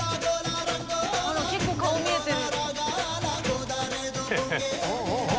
結構顔見えてる。